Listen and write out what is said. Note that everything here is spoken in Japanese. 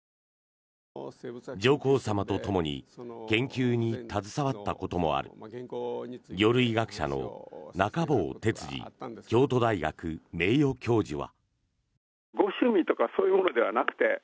上皇さまとともに研究に携わったこともある魚類学者の中坊徹次京都大学名誉教授は。